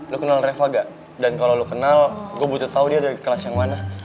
lo kenal reva gak dan kalau lo kenal gue butuh tau dia dari kelas yang mana